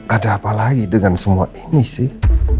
ada apa lagi dengan semua ini sih